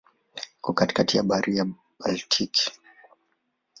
Iko kati ya Bahari ya Baltiki.